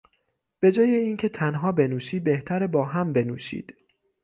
به جای اینکه تنها بنوشی بهتره با هم بنوشید